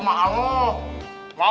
makan yang sedikit banget